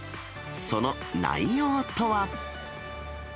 その内容とは？